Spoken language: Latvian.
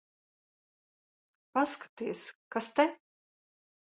Paskaties, kas te...